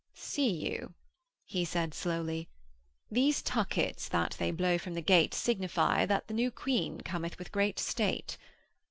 'See you,' he said slowly, 'these tuckets that they blow from the gate signify that the new Queen cometh with a great state.'